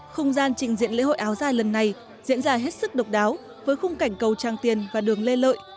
không gian trình diễn lễ hội áo dài lần này diễn ra hết sức độc đáo với khung cảnh cầu trang tiền và đường lê lợi